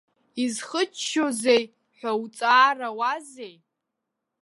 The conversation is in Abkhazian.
Изхыччозеи ҳәа уҵаарауазеи?